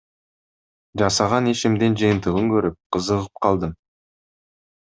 Жасаган ишимдин жыйынтыгын көрүп, кызыгып калдым.